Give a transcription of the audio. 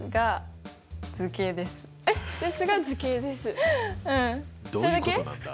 どういうことなんだ？